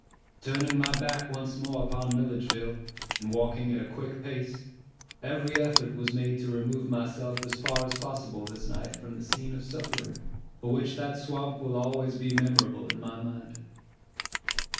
Turning my back once more upon Milledgeville, and walking at a quick pace, every effort was made to remove myself as far as possible this night from the scene of suffering, for which that swamp will be always memorable in my mind.